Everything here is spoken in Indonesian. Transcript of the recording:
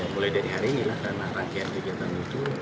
mulai dari hari ini lah karena rangkaian kegiatan itu